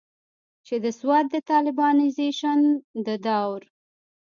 چې د سوات د طالبانائزيشن د دور